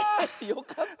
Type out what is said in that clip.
よかった！